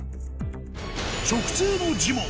食通のジモン